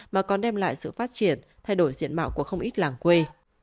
mà còn đem lại sự phát triển thay đổi diện mạo của không ít làng quê